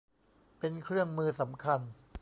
เป็นเครื่องมือสำคัญ